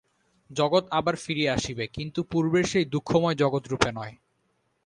জগৎ আবার ফিরিয়া আসিবে, কিন্তু পূর্বের সেই দুঃখময় জগৎ-রূপে নয়।